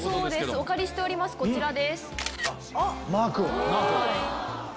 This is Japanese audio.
お借りしておりますこちらです。